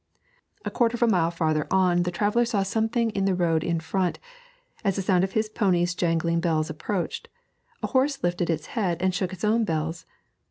A quarter of a mile farther on the traveller saw something on the road in front; as the sound of his pony's jangling bells approached, a horse lifted its head and shook its own bells.